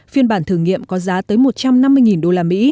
phiên bản thử nghiệm có giá tới một trăm năm mươi usd